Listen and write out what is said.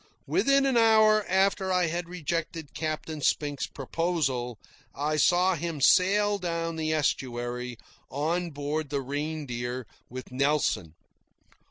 Within an hour after I had rejected Captain Spink's proposal, I saw him sail down the estuary on board the Reindeer with Nelson.